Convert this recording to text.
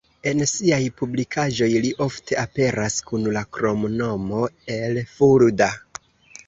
En siaj publikaĵoj li ofte aperas kun la kromnomo "el Fulda".